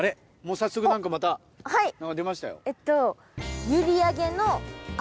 早速何かまた出ましたよ。